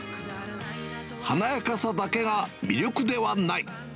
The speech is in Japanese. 華やかさだけが魅力ではない。